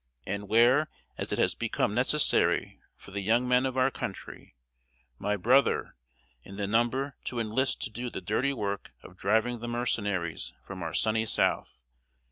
And where as it has become necessary for the young Men of our country, My Brother, in the number To enlist to do the dirty work of Driving the Mercenarys from our sunny south.